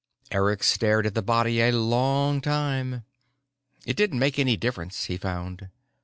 Eric stared at the body a long time. It didn't make any difference, he found.